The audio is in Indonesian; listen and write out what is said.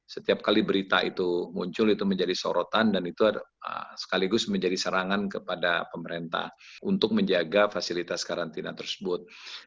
setiap kali berita itu muncul itu menjadi sorotan dan itu sekaligus menjadi serangan kepada pemerintah untuk menjaga fasilitas karantina tersebut